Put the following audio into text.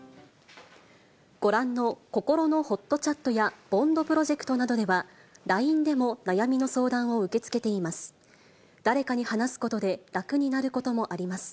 ご覧の、こころのほっとチャットや、ＢＯＮＤプロジェクトなどでは、ＬＩＮＥでも悩みの相談を受け付けています。